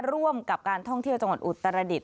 ร่วมกับการท่องเที่ยวจังหวัดอุตรดิษ